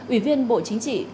ủy viên bộ chính trị